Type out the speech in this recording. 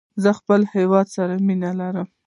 زه له خپل هېواد سره مینه لرم